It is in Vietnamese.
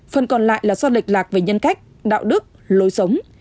phần còn lại là do lệch lạc về nhân cách đạo đức lối sống